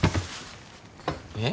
えっ？